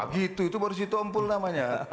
gitu itu baru si tumpul namanya